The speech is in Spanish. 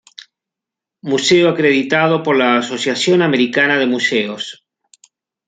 Museo acreditado por la Asociación Americana de Museos.